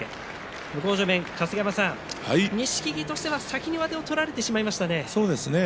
向正面の春日山さん錦木が先に上手を取られてしまいました。